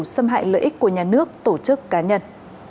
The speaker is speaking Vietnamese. xâm hại lợi ích của nhà nước tổ chức cá nhân